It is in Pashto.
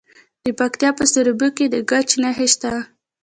د پکتیکا په سروبي کې د ګچ نښې شته.